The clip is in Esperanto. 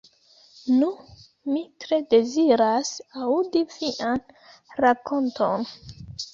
Nu, mi tre deziras aŭdi vian rakonton.